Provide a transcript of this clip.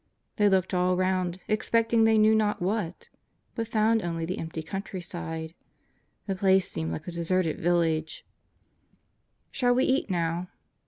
They looked all around, expecting they knew not what, but found only the empty countryside. The place seemed like a deserted village. Birthdays in the Deathhouse 67 "Shall we eat now?"